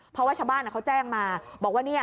เพราะว่าชาวบ้านเขาแจ้งมาบอกว่า